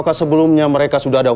apakah sebelumnya mereka sudah ada